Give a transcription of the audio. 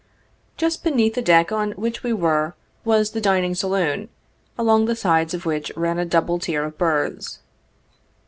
Just beneath the deck on which we were was the dining saloon, along the sides of which ran a double tier of berths.